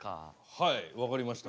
はい分かりました。